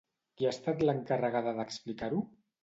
Qui ha estat l'encarregada d'explicar-ho?